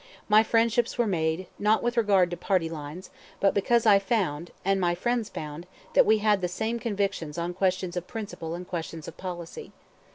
My friendships were made, not with regard to party lines, but because I found, and my friends found, that we had the same convictions on questions of principle and questions of policy.